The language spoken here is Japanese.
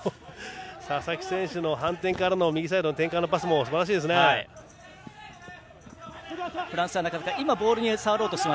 佐々木選手の反転からの右サイドへの展開もすばらしい。